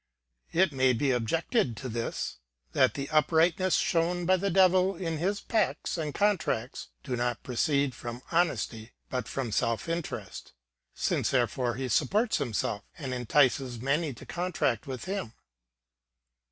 It may be objected to this, that the uprightness shown by the Devil in his pacts and contracts does not proceed from honesty but from self interest; since thereby he supports himself, and entices many to contract with him.